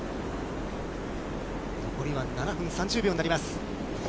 残りは７分３０秒になります。